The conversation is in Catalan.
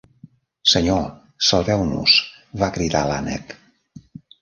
"Senyor, salveu-nos!" va cridar l'ànec.